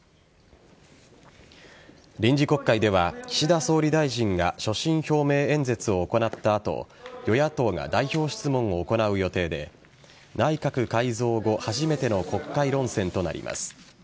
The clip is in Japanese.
臨時国会では、岸田総理大臣が所信表明演説を行った後与野党が代表質問を行う予定で内閣改造後初めての国会論戦となります。